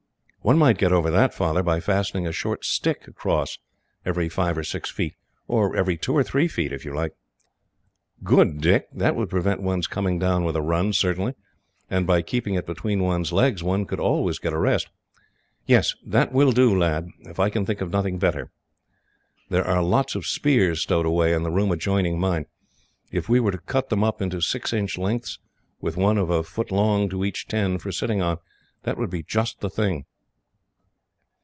"One might get over that, Father, by fastening a short stick across, every five or six feet; or every two or three feet, if you like." "Good, Dick. That would prevent one's coming down with a run, certainly, and by keeping it between one's legs, one could always get a rest. Yes, that will do, lad, if I can think of nothing better. There are a lot of spears stowed away, in the room adjoining mine. If we were to cut them up into six inch lengths, with one of a foot long to each ten, for sitting on, they would be just the thing."